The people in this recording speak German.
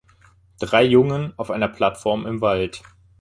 Drei Jungen auf einer Plattform im Wald.